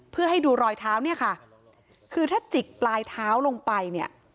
เพื่อให้ดูรอยเท้าเนี่ยค่ะคือถ้าจิกปลายเท้าลงไปเนี่ย